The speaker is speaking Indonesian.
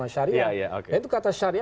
syariah itu kata syariah